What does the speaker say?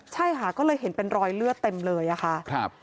ใช่ค่ะก็เลยเห็นเป็นรอยเลือดเต็มเลยอะค่ะ